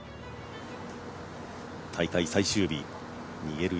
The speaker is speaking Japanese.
大会最終日、逃げる